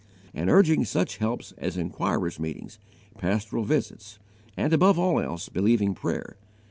and urging such helps as inquirers' meetings, pastoral visits, and, above all else, believing prayer.